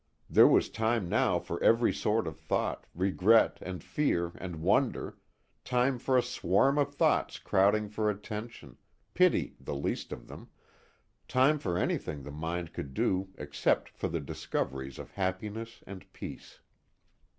There was time now for every sort of thought, regret and fear and wonder, time for a swarm of thoughts crowding for attention, pity the least of them time for anything the mind could do except for the discoveries of happiness and peace.